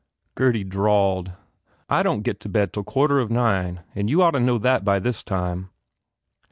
"* Gurdy drawled, "I don t get to bed till quarter of nine and you ought to know that by this time."